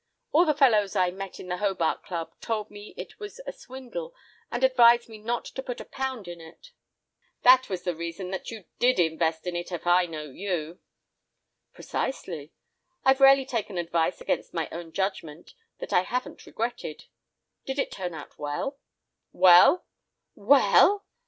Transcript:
All the fellows I met in the Hobart Club told me it was a swindle, and advised me not to put a pound in it." "That was the reason that you did invest in it, if I know you." "Precisely, I've rarely taken advice against my own judgment that I haven't regretted it. Did it turn out well?" "Well! Well?